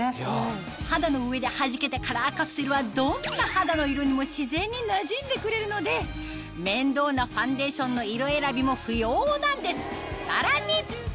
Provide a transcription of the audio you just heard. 肌の上ではじけたカラーカプセルはどんな肌の色にも自然になじんでくれるので面倒なファンデーションの色選びも不要なんですさらに！